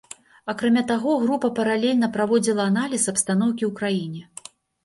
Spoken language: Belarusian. Акрамя таго, група паралельна праводзіла аналіз абстаноўкі ў краіне.